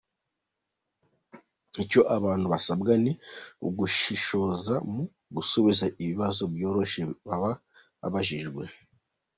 Icyo abantu basabwa ni ugushishoza mu gusubiza ibibazo byoroshye baba babajijwe.